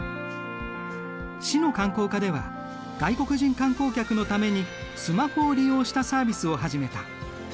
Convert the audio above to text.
市の観光課では外国人観光客のためにスマホを利用したサービスを始めた。